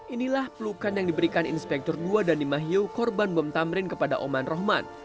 inilah pelukan yang diberikan inspektur dua deni mahiu korban bom tamrin kepada aman rahman